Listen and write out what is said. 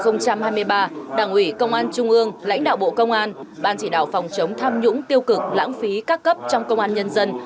năm hai nghìn hai mươi ba đảng ủy công an trung ương lãnh đạo bộ công an ban chỉ đạo phòng chống tham nhũng tiêu cực lãng phí các cấp trong công an nhân dân